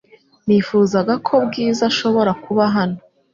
Nifuzaga ko Bwiza ashobora kuba hano .